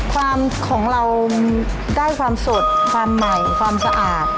ความของเราได้ความสดความใหม่ความสะอาด